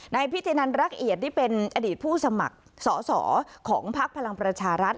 พิธีนันรักเอียดที่เป็นอดีตผู้สมัครสอสอของพักพลังประชารัฐ